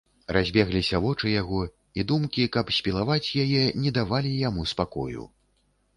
Разбегліся вочы яго, і думкі, каб спілаваць, яе, не давалі яму спакою.